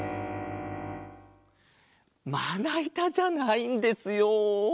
まないたじゃないんですよ。